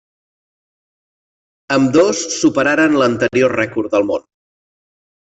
Ambdós superaren l'anterior rècord del món.